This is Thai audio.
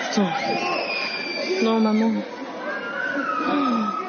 ท่านลองฟังเสียชุด๓ศพบาดเจ็บอีก๑๒นะแต่ดูภาพที่เขาบรรยาการณ์กันไว้ได้